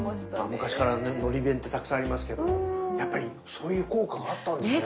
昔からのり弁ってたくさんありますけどもやっぱりそういう効果があったんですね。